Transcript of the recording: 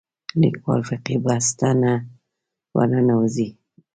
لیکوال فقهي بحث ته نه ورننوځي